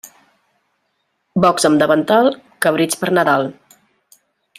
Bocs amb davantal, cabrits per Nadal.